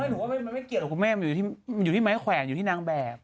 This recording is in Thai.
หนูว่ามันไม่เกี่ยวกับคุณแม่มันอยู่ที่ไม้แขวนอยู่ที่นางแบบ